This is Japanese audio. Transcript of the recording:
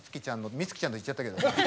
充希ちゃんって言っちゃったけど。